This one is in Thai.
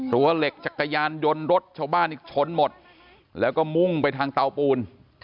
เหล็กจักรยานยนต์รถชาวบ้านอีกชนหมดแล้วก็มุ่งไปทางเตาปูน